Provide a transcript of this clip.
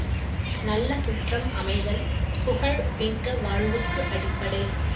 நல்ல சுற்றம் அமைதல், புகழ் மிக்க வாழ்வுக்கு அடிப்படை.